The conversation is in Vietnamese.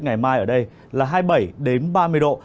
ngày mai ở đây là hai mươi bảy ba mươi độ